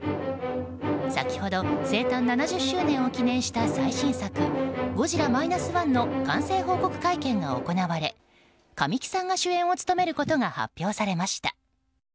先ほど、生誕７０周年を記念した最新作「ゴジラ−１．０」の完成報告会見が行われ神木さんが主演を務めることが発表されました。